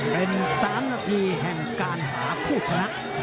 เป็น๓นาทีแห่งการหาผู้ชนะ